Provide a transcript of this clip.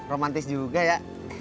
romantis juga ya